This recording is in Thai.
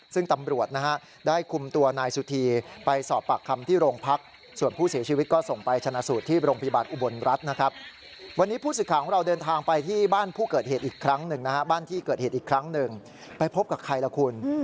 ซึ่งตำรวจได้คุมตัวนายสุธีไปสอบปากคำที่โรงพัก